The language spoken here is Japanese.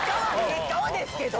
結果はですけど。